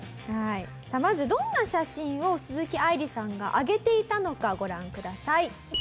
さあまずどんな写真を鈴木愛理さんが上げていたのかご覧ください。